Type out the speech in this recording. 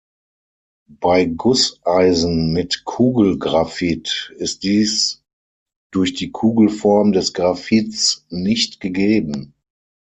Bei Gusseisen mit Kugelgraphit ist dies durch die Kugelform des Graphits nicht gegeben.